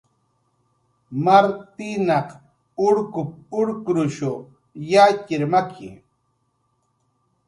"Martinaq urkup"" urkrushu yatxir maki"